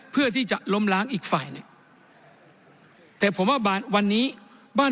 เพื่อที่จะล้มล้างอีกฝ่ายหนึ่งแต่ผมว่าวันนี้บ้าน